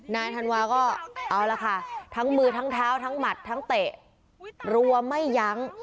นายธันวาก็เอาละค่ะทั้งมือทั้งเท้าทั้งหมัดทั้งเตะรัวไม่ยั้ง